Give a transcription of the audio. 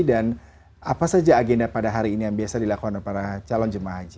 dan apa saja agenda pada hari ini yang biasa dilakukan oleh para calon jemaah haji